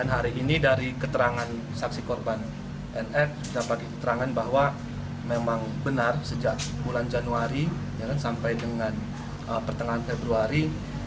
hari ini dari keterangan saksi korban nf dapat diterangkan bahwa memang benar sejak bulan januari sampai dengan pertengahan februari